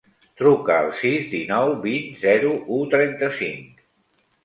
Truca al sis, dinou, vint, zero, u, trenta-cinc.